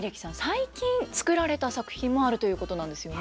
最近作られた作品もあるということなんですよね。